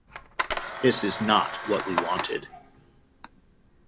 This is not what we wanted.